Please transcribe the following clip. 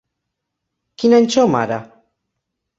Quin any som, ara?